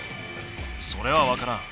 それはわからん。